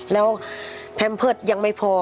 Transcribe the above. แล้วแพมเพิร์ตยังไม่พอ